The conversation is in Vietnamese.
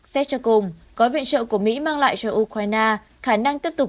xét cho cùng gói viện trợ của mỹ mang lại cho ukraine khả năng tiếp tục